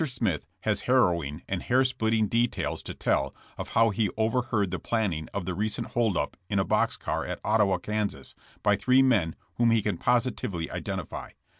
Smith has harrowing and hair splitting details to tell of how he overheard the plan ning of the recent hold up in a box car at Ottawa, Kas., by three men whom he can positively identify.